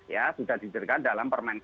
ya sudah nggak perlu lagi